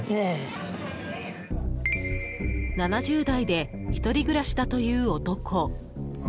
７０代で１人暮らしだという男。